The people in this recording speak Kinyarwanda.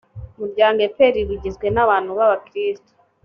muryango epr rugizwe n abantu babakrito